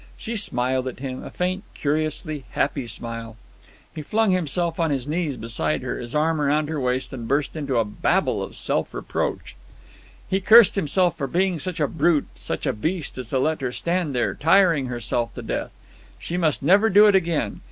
She smiled at him, a faint, curiously happy smile. He flung himself on his knees beside her, his arm round her waist, and burst into a babble of self reproach. He cursed himself for being such a brute, such a beast as to let her stand there, tiring herself to death. She must never do it again.